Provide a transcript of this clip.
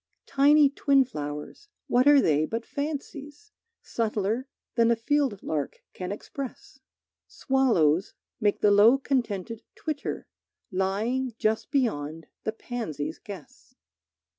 Tiny twin flowers, what are they but fancies, Subtler than a field lark can express? Swallows make the low contented twitter Lying just beyond the pansies' guess.